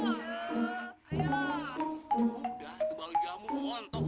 udah berbitu aja anak